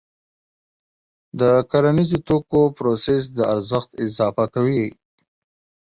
د کرنیزو توکو پروسس د ارزښت اضافه کوي.